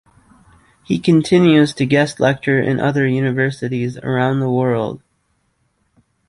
He continues to guest lecture in other universities around the world.